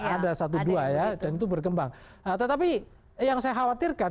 ada satu dua ya dan itu berkembang tetapi yang saya khawatirkan